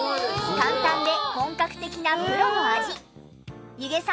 簡単で本格的なプロの味。